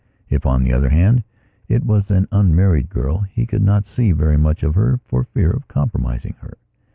If, on the other hand, it were an unmarried girl, he could not see very much of her for fear of compromising her.